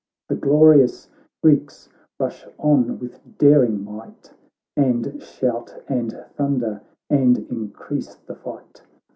The glorious Greeks rush on with daring might, And shout and thunder, and increase the fight.